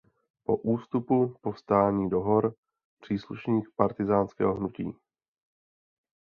Po ústupu povstání do hor příslušník partyzánského hnutí.